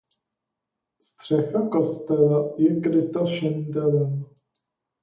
Střecha kostela je kryta šindelem.